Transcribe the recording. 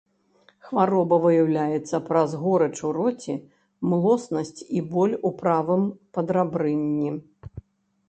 Хвароба выяўляецца праз горыч у роце, млоснасць і боль у правым падрабрынні.